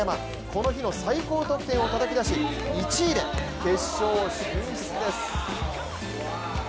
この日の最高得点をたたき出し１位で決勝進出です。